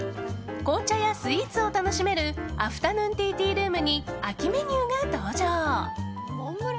紅茶やスイーツを楽しめるアフタヌーンティー・ティールームに秋メニューが登場。